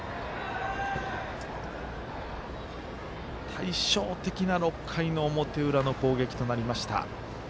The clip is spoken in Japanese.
対照的な６回の表裏の攻撃となりました。